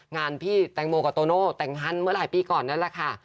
งานพี่แตงโมกับโตโน่แต่งฮันเมื่อหลายปีก่อนนั่นแหละค่ะ